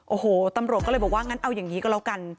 โอ้โหตำรวจก็เลยบอกว่างั้นเอาอย่างนี้ก็แล้วกัน